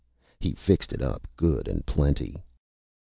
He fixed it up Good and Plenty.